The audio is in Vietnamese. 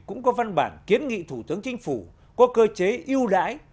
cũng có văn bản kiến nghị thủ tướng chính phủ có cơ chế yêu đái